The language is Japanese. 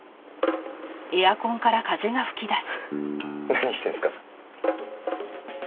何してるんですか？